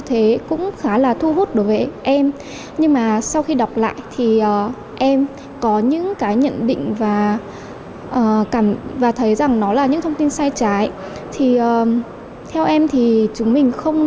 thì cũng không biết là nó chính xác hay không